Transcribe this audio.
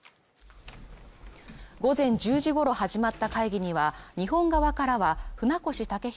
午前１０時ごろ始まった会議には、日本側からは船越健裕